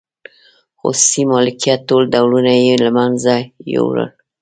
خصوصي مالکیت ټول ډولونه یې له منځه یووړل.